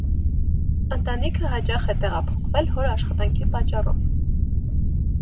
Ընտանիքը հաճախ է տեղափոխվել հոր աշխատանքի պատճառով։